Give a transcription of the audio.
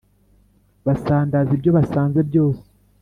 Basandaza ibyo basanze byose